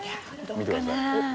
見てください